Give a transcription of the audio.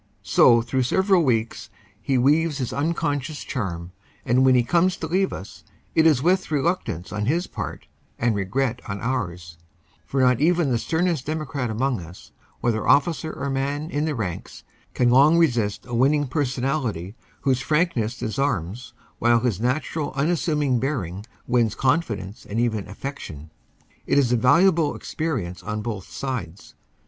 So through several weeks he weaves his unconscious charm, and when he comes to leave us, it is with reluctance on his part and regret on ours; for not even the sternest democrat among us, whether officer or man in the ranks, can long resist a winning personality whose frankness disarms while his natural unassuming bearing wins confidence and even affec tion. It is a valuable experience on both sides.